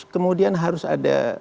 kemudian harus ada